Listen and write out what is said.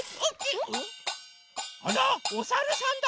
あらおさるさんだ！